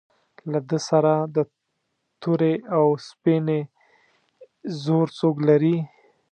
له ده سره د تورې او سپینې زور څوک لري.